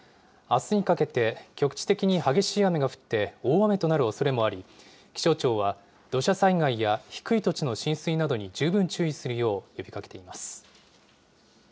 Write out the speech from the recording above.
あすにかけて、局地的に激しい雨が降って、大雨となるおそれもあり、気象庁は土砂災害や低い土地の浸水などに十分注意するよう呼びかけています。